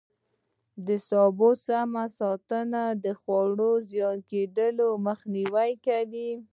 د سبو سمه ساتنه د خوړو ضایع کېدو مخنیوی کوي.